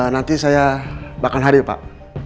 nanti saya bahkan hadir pak